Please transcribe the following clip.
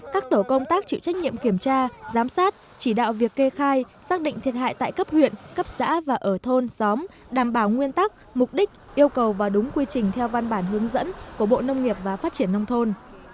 các tổ công tác chịu trách nhiệm kiểm tra giám sát chỉ đạo việc kê khai xác định thiệt hại tại cấp huyện cấp xã và ở thôn xóm đảm bảo nguyên tắc mục đích yêu cầu và đúng quy trình theo văn bản hướng dẫn của bộ nông nghiệp và phát triển nông thôn